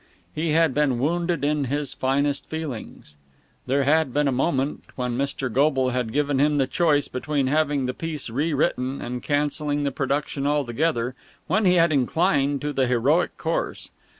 He had been wounded in his finest feelings. There had been a moment, when Mr. Goble had given him the choice between having the piece rewritten and cancelling the production altogether, when he had inclined to the heroic course.